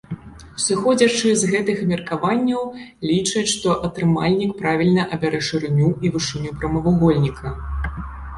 Сыходзячы з гэтых меркаванняў, лічаць, што атрымальнік правільна абярэ шырыню і вышыню прамавугольніка.